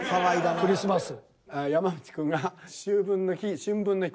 クリスマス。